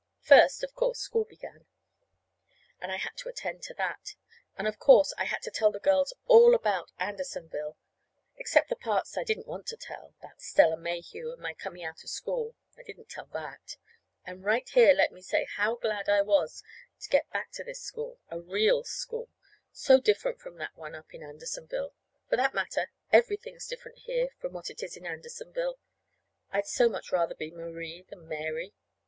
First, of course, school began, and I had to attend to that. And, of course, I had to tell the girls all about Andersonville except the parts I didn't want to tell, about Stella Mayhew, and my coming out of school. I didn't tell that. And right here let me say how glad I was to get back to this school a real school so different from that one up in Andersonville! For that matter, everything's different here from what it is in Andersonville. I'd so much rather be Marie than Mary.